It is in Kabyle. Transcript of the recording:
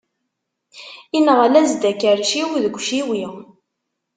Inɣel-as-d, akerciw deg iciwi.